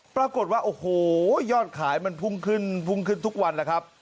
ปรากฏว่าโอ้โหยอดขายมันพุ่งขึ้นพุ่งขึ้นทุกวันแล้วครับ